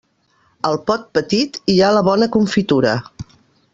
Al pot petit hi ha la bona confitura.